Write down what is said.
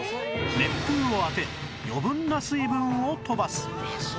熱風を当て余分な水分を飛ばす